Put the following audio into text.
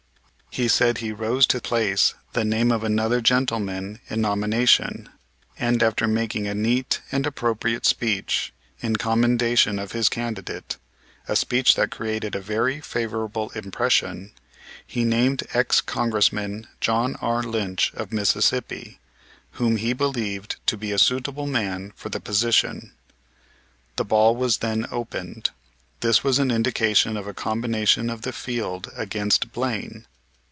He said he rose to place the name of another gentleman in nomination; and, after making a neat and appropriate speech in commendation of his candidate, a speech that created a very favorable impression, he named ex Congressman John R. Lynch, of Mississippi, whom he believed to be a suitable man for the position. The ball was then opened. This was an indication of a combination of the field against Blaine.